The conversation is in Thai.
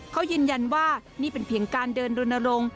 เขายืนยันว่านี่เป็นเพียงการเดินรณรงค์